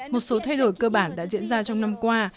một số thay đổi cơ bản đã diễn ra trong năm qua